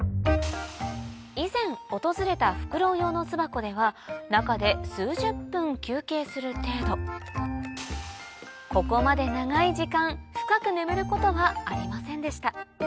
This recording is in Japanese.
以前訪れたフクロウ用の巣箱では中で数十分休憩する程度ここまで長い時間深く眠ることはありませんでした